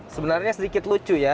sebenarnya sedikit lucu ya